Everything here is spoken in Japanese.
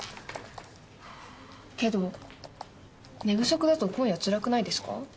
けど寝不足だと今夜つらくないですか？